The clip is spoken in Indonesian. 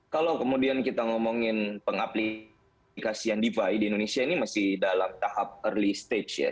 kalau kemudian kita ngomongin pengaplikasian defi di indonesia ini masih dalam tahap early stage ya